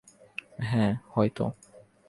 হ্যাঁ, হয়তো।